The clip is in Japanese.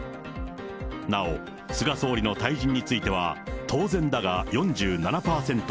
なお、菅総理の退陣については、当然だが４７％。